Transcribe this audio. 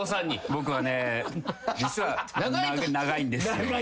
僕はね実は長いんです。